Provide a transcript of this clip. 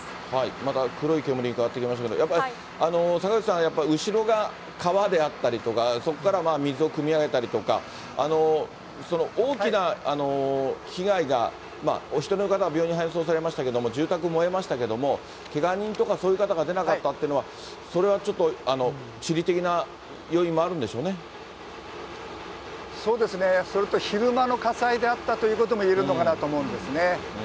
また黒い煙に変わってきてますので、坂口さん、後ろが川であったりとか、そこから水をくみ上げたりとか、大きな被害が、お１人の方、病院に搬送されましたけれども、住宅燃えましたけれども、けが人とかそういう方が出なかったってのは、それはちょっと地理的な要因もあるんでしょそうですね、それと昼間の火災であったということもいえるのかなと思うんですね。